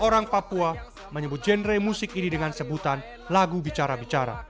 orang papua menyebut genre musik ini dengan sebutan lagu bicara bicara